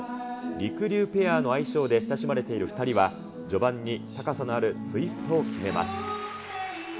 りくりゅうペアの愛称で親しまれている２人は、序盤に高さのあるツイストを決めます。